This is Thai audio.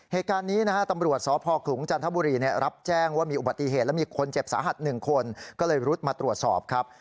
เหตุการณ์นี้นะฮะตำรวจสพขลุงจันทบุรีรับแจ้งว่ามีอุบัติเหตุและมีคนเจ็บสาหัส๑คนก็เลยรุดมาตรวจสอบครับ